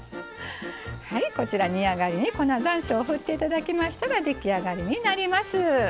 こちら煮上がりに粉ざんしょうを振って頂きましたら出来上がりになります。